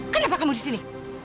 kenapa kau disini